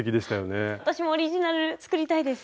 私もオリジナル作りたいです。